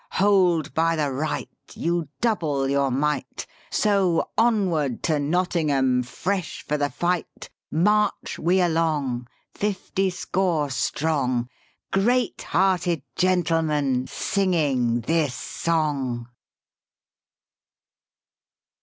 Hold by the right, you double your might; So, onward to Nottingham, fresh for the fight. (Chorus) March we along, fifty score strong, Great hearted gentlemen, singing this song!"